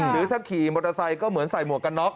หรือถ้าขี่มอเตอร์ไซค์ก็เหมือนใส่หมวกกันน็อก